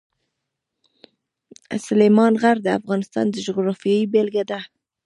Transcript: سلیمان غر د افغانستان د جغرافیې بېلګه ده.